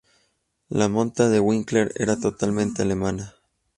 La monta de Winkler era totalmente alemana.